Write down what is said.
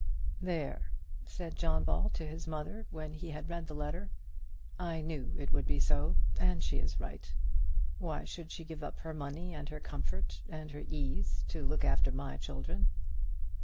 "There," said John Ball to his mother, when he had read the letter, "I knew it would be so; and she is right. Why should she give up her money and her comfort and her ease, to look after my children?"